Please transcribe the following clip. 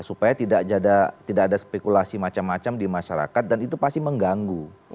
supaya tidak ada spekulasi macam macam di masyarakat dan itu pasti mengganggu